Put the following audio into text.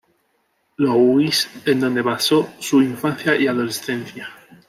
Louis, en donde pasó su infancia y adolescencia.